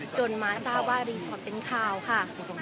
จนมาทราบว่ารีสอร์ทเป็นข่าวค่ะ